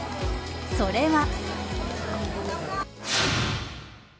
それは。